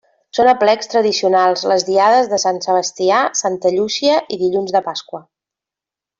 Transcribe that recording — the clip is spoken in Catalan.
Són aplecs tradicionals les diades de Sant Sebastià, Santa Llúcia, i dilluns de Pasqua.